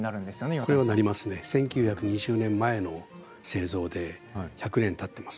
１９２０年前の製造で１００年たっています。